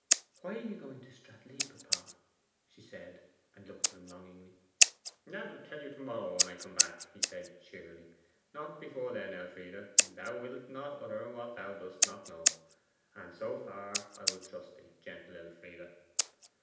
'Why are you going to Stratleigh, papa?' she said, and looked at him longingly. 'I will tell you to morrow when I come back,' he said cheerily; 'not before then, Elfride. Thou wilt not utter what thou dost not know, and so far will I trust thee, gentle Elfride.